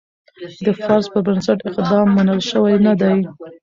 د فرض پر بنسټ اقدام منل شوی نه دی.